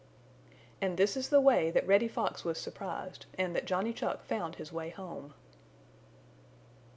And this is the way that Reddy Fox was surprised and that Johnny Chuck found his way home.